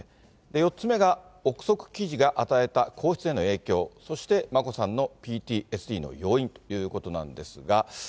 ４つ目が臆測記事が与えた皇室への影響、そして眞子さんのＰＴＳＤの要因ということなんですが。